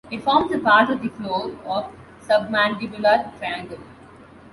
It forms a part of the floor of submandibular triangle.